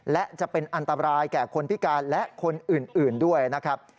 และจะเป็นอันตรายแก่คนพิการและคนอื่นด้วยนะครับ